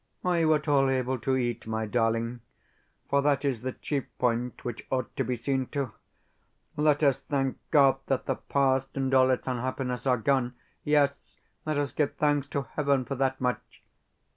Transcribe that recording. Are you at all able to eat, my darling? for that is the chief point which ought to be seen to. Let us thank God that the past and all its unhappiness are gone! Yes, let us give thanks to Heaven for that much!